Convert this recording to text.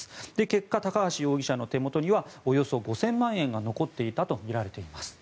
結果、高橋容疑者の手元にはおよそ５０００万円が残っていたとみられています。